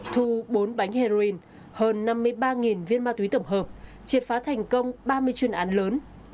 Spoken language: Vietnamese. thu bốn bánh heroin hơn năm mươi ba viên ma túy tổng hợp triệt phá thành công ba mươi chuyên án lớn